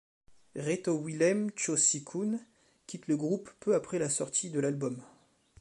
Reto Wilhelm Tschösi Kühne quitte le groupe peu après la sortie de l'album.